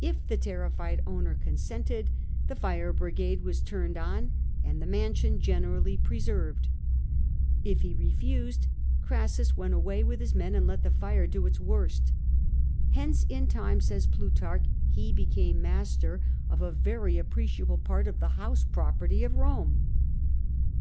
If the terrified owner consented, the fire brigade was turned on and the mansion generally preserved. If he refused, Orassus went away with his men and let the fire do its worst. Hence in time, says Plutarch, he became master 170 CEASSUS of a c^erj appreciable part of tbe bouse property of Eome.